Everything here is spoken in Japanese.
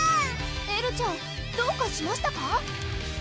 エルちゃんどうかしましたか？